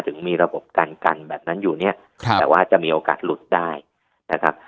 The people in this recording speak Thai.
ถึงมีระบบกันกันแบบนั้นอยู่เนี่ยแต่ว่าจะมีโอกาสหลุดได้นะครับ